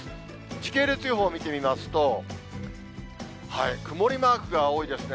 時系列予報を見てみますと、曇りマークが多いですね。